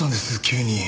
急に。